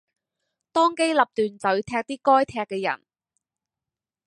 當機立斷就要踢啲該踢嘅人